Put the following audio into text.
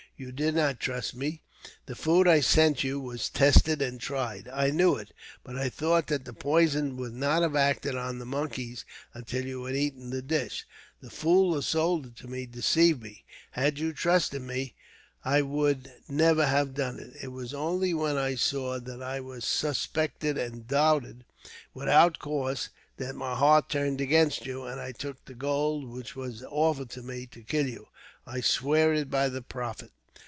"You did not trust me. The food I sent you was tested and tried. I knew it; but I thought that the poison would not have acted on the monkeys, until you had eaten the dish. The fool who sold it me deceived me. Had you trusted me, I would never have done it. It was only when I saw that I was suspected and doubted, without cause, that my heart turned against you, and I took the gold which was offered to me to kill you. I swear it by the Prophet."